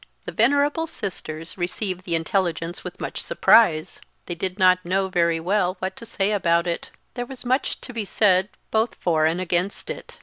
The venerable sisters received the intelligence with much surprise: they did not know very well what to say about it; there was much to be said both for and against it.